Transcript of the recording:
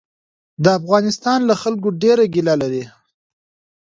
د افغانستان له خلکو ډېره ګیله لري.